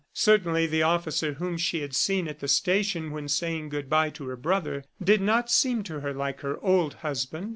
Certainly the officer whom she had seen at the station when saying good bye to her brother, did not seem to her like her old husband.